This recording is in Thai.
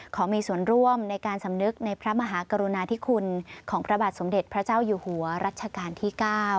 ขอมีส่วนร่วมในการสำนึกในพระมหากรุณาธิคุณของพระบาทสมเด็จพระเจ้าอยู่หัวรัชกาลที่๙